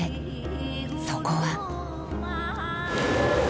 そこは。